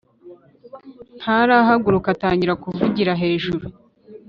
ntarahaguruka atangira kuvugira hejuru